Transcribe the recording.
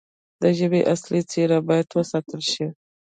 د ژبې اصلي څیره باید وساتل شي.